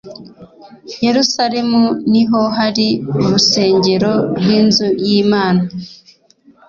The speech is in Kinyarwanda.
i Yerusalemu niho hari urusengero rw’inzu y’imana